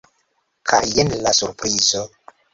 Kaj jen la surprizo!